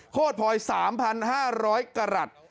โฆษยพลอย๓๕๐๐กราด